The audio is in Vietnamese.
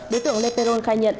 đối tượng le peron khai nhận